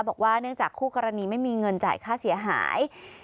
บอกว่าเนื่องจากคู่กรณีไม่มีเงินจ่ายค่าเสียหาย